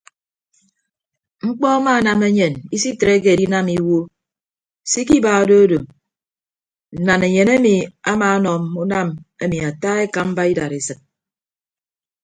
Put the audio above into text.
Mkpọ amaanam enyen isitreke edinam iwuo se ikiba odo odo nnanaenyen emi amaanọ mme unam emi ata ekamba idadesịd.